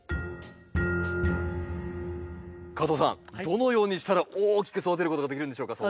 どのようにしたら大きく育てることができるんでしょうか？